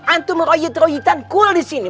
antum royit royitan kul disini